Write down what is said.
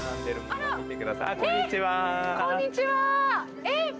こんにちは。